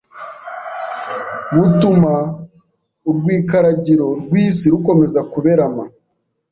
butuma urwikaragiro rw’isi rukomeza kuberama